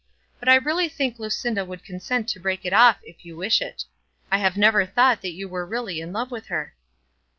But I really think Lucinda would consent to break it off if you wish it. I have never thought that you were really in love with her."